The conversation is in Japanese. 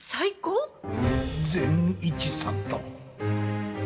善一さんと。